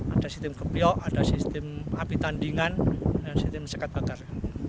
ada sistem kebiok ada sistem api tandingan dan sistem sekat bakar